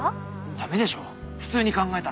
ダメでしょ普通に考えたら。